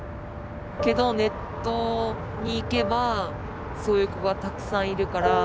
けどネットに行けばそういう子がたくさんいるから。